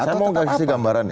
saya mau kasih gambaran ya